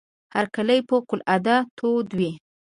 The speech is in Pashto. هرکلی فوق العاده تود وو.